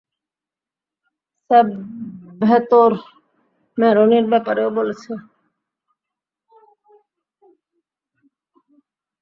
Salvatore ম্যারোনির ব্যাপারেও বলেছে।